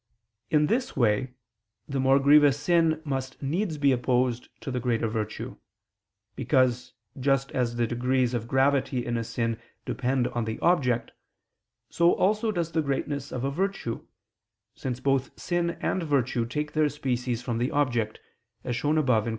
In this way, the more grievous sin must needs be opposed to the greater virtue: because, just as the degrees of gravity in a sin depend on the object, so also does the greatness of a virtue, since both sin and virtue take their species from the object, as shown above (Q.